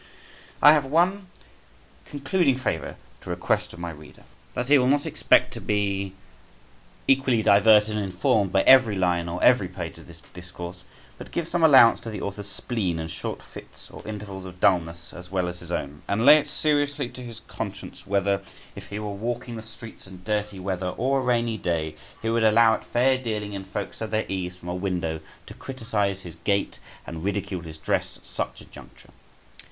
I have one concluding favour to request of my reader, that he will not expect to be equally diverted and informed by every line or every page of this discourse, but give some allowance to the author's spleen and short fits or intervals of dulness, as well as his own, and lay it seriously to his conscience whether, if he were walking the streets in dirty weather or a rainy day, he would allow it fair dealing in folks at their ease from a window, to criticise his gate and ridicule his dress at such a juncture.